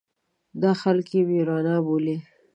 دا خلک یې مېروانا بولي.